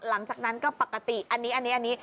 หลังจากนั้นก็ปกติอันนี้